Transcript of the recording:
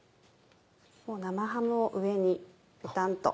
もう生ハムを上にペタンと。